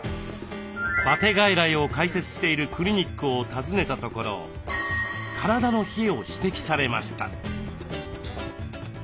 バテ外来を開設しているクリニックを訪ねたところ体の冷えを指摘されました。